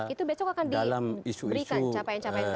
itu besok akan diberikan capaian capaian